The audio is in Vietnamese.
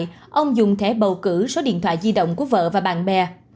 tổng số người chết bầu cử số điện thoại di động của vợ và bạn bè